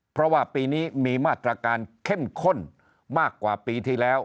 เพราะว่าปีนี้มีมาตรการเข้มข้นมากกว่าปีที่แล้ว